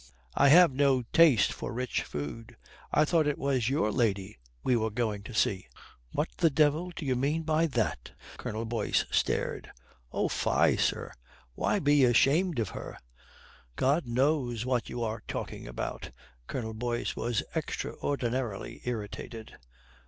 I have no taste for rich food. I thought it was your lady we were going to see." "What the devil do you mean by that?" Colonel Boyce stared. "Oh, fie, sir! Why be ashamed of her?" "God knows what you are talking about." Colonel Boyce was extraordinarily irritated.